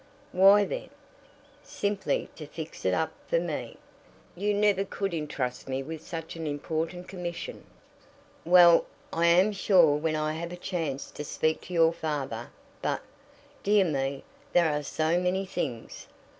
"Why, then?" "Simply to fix it up for me. You never could intrust me with such an important commission." "Well, I am sure when I have a chance to speak to your father but, dear me, there are so many things!"